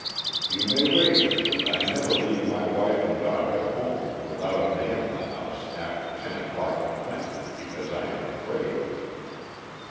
You may wager that I never leave my wife and daughter at home without a man in the house after ten o'clock at night because I am afraid.